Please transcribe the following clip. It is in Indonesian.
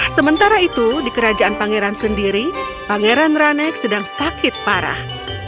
sementara itu di kerajaan pangeran sendiri pangeran ranek sedang sakit parah